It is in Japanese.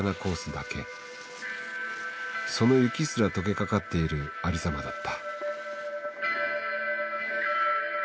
その雪すら解けかかっているありさまだった。